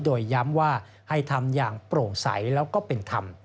โดยย้ำว่าให้ทำอย่างโปร่งใสแล้วก็เป็นธรรม